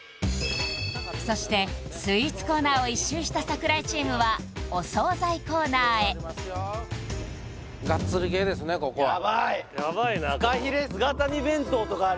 そしてスイーツコーナーを１周した櫻井チームはお惣菜コーナーへやばいやばいな